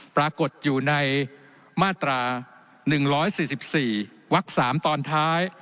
ปรากฏอยู่ในมาตรา๑๔๔วัก๓ตอนท้าย